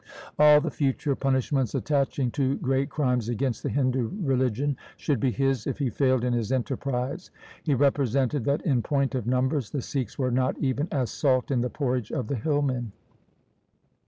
All the future punishments attaching to great crimes against the Hindu religion should be his, if he failed in his enterprise. He represented that in point of numbers the Sikhs were not even as salt in the porridge of the hillmen.